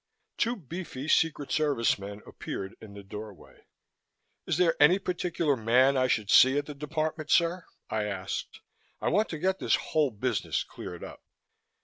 Two beefy Secret Service men appeared in the doorway. "Is there any particular man I should see at the Department, sir?" I asked. "I want to get this whole business cleared up."